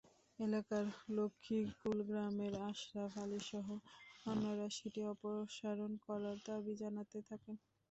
এলাকার লক্ষ্মীকুল গ্রামের আশরাফ আলীসহ অন্যরা সেটি অপসারণ করার দাবি জানাতে থাকেন।